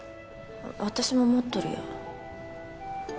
私も持っとるよ